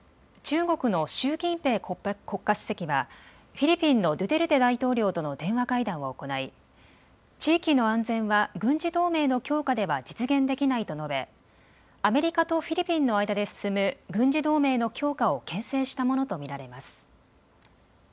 中国の習近平国家主席はフィリピンのドゥテルテ大統領との電話会談を行い地域の安全は軍事同盟の強化では実現できないと述べ、アメリカとフィリピンの間で進む軍事同盟の強化をけん制したものと見られます。